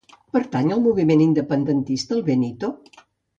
Pertany al moviment independentista el Benito?